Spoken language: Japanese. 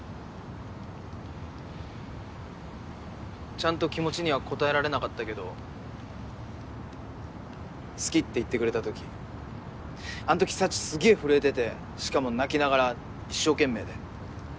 ちゃんと気持ちには応えられなかったけど好きって言ってくれたときあんとき紗智すげぇ震えててしかも泣きながら一生懸命で。